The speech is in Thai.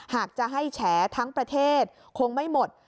หากจะให้แฉทั้งประเทศคงไม่หมด